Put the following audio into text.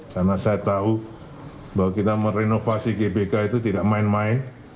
tahu bahwa kita merenovasi gbk itu tidak main main